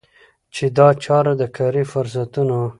چي دا چاره د کاري فرصتونو